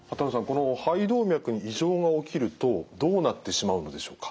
この肺動脈に異常が起きるとどうなってしまうのでしょうか。